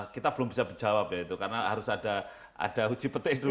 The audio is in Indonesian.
kita belum bisa menjawab ya itu karena harus ada uji petik dulu